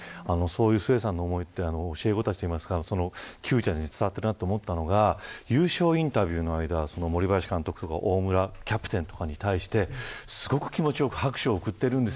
須江さんの思いというのは教え子たちにも伝わってるなと思ったのが優勝インタビューの間森林監督が大村キャプテンに対してすごく気持ちよく拍手を送っているんです。